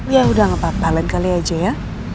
ya udah gak apa apa lain kali aja ya